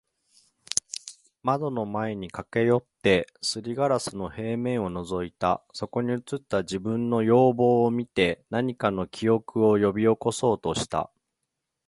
……窓の前に駈け寄って、磨硝子の平面を覗いた。そこに映った自分の容貌を見て、何かの記憶を喚び起そうとした。